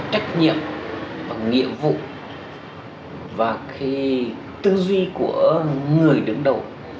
trách nhiệm và nghĩa vụ và cái tư duy của người đứng đầu